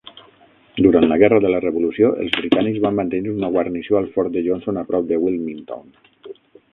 Durant la Guerra de la Revolució, els britànics van mantenir una guarnició al fort de Johnson a prop de Wilmington.